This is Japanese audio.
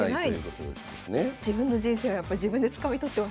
自分の人生をやっぱ自分でつかみ取ってますね。